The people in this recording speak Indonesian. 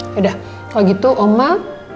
yaudah kalau gitu omah